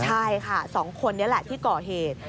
ใช่ค่ะ๒คนนี้แหละที่ก่อเหตุ